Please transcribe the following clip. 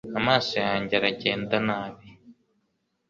Amaso yanjye aragenda nabi